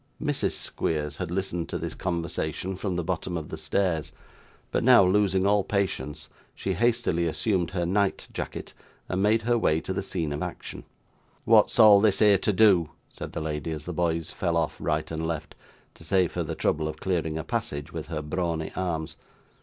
Mrs. Squeers had listened to this conversation, from the bottom of the stairs; but, now losing all patience, she hastily assumed her night jacket, and made her way to the scene of action. 'What's all this here to do?' said the lady, as the boys fell off right and left, to save her the trouble of clearing a passage with her brawny arms.